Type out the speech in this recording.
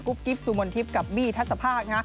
กุ๊บกิ๊บสูบมนต์ทิศกับบี้ทัศนภาค